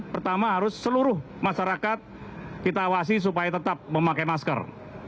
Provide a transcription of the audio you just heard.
pertama harus seluruh masyarakat kita awasi supaya tetap memakai masker